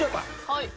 はい。